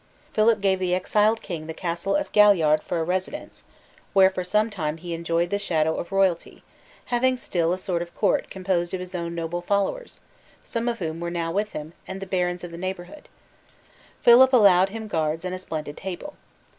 Philip gave the exiled king the castle of Galliard for a residence; where for some time he enjoyed the shadow of royalty, having still a sort of court composed of his own noble followers, some of whom were now with him, and the barons of the neighborhood. Philip allowed him guards and a splendid table.